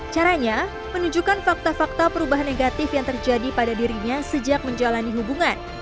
caranya menunjukkan fakta fakta perubahan negatif yang terjadi pada dirinya sejak menjalani hubungan